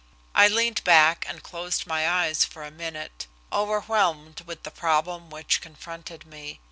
I leaned back and closed my eyes for a minute, overwhelmed with the problem which confronted me.